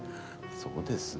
そうですね。